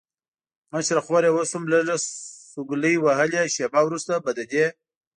مشره خور یې اوس هم لږ لږ سلګۍ وهلې، شېبه وروسته به د دې.